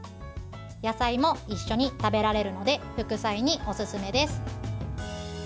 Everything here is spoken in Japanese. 野菜も一緒に食べられるので副菜におすすめです。